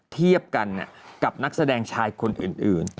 เทียบกันกับนักแสดงชายคนอื่น